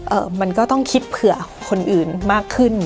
มันก็ต้องคิดเผื่อคนอื่นมากขึ้น